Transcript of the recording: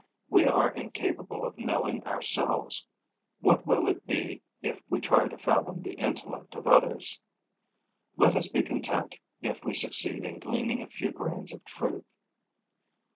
We are incapable of knowing ourselves; what will it be if we try to fathom the intellect of others? Let us be content if we succeed in gleaning a few grains of truth.